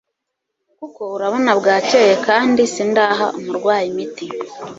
kuko urabona bwakeye kandi sindaha umurwayi imiti